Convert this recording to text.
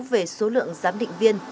về số lượng giám định viên